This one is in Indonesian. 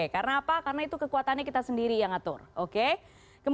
karena apa karena itu kekuatannya kita sendiri yang atur oke